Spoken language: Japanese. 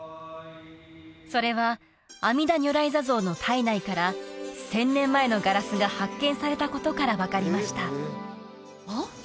それは阿弥陀如来坐像の胎内から１０００年前のガラスが発見されたことから分かりましたあっ？